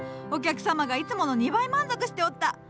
お客様がいつもの２倍満足しておった。